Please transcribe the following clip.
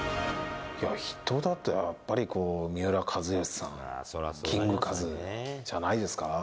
いや、人だとやっぱり、三浦知良さん、キングカズじゃないですか？